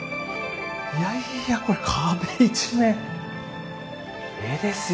いやいやこれ壁一面絵ですよ